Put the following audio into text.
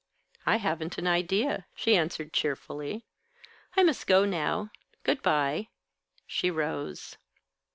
"I haven't an idea," she answered, cheerfully. "I must go now. Good by." She rose.